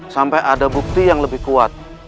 sampai ada bukti yang lebih kuat